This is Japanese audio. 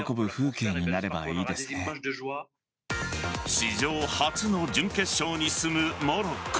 史上初の準決勝に進むモロッコ。